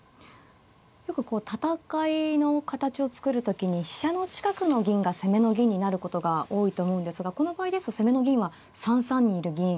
よくこう戦いの形を作る時に飛車の近くの銀が攻めの銀になることが多いと思うんですがこの場合ですと攻めの銀は３三にいる銀。